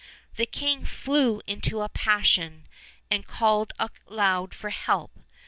The king flew into a passion, and called aloud for help.